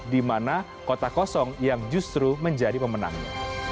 di mana kota kosong yang justru menjadi pemenangnya